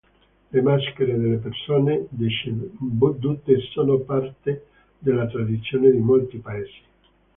Le maschere delle persone decedute sono parte della tradizione di molti paesi.